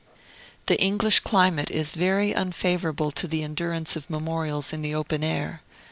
The English climate is very unfavorable to the endurance of memorials in the open air.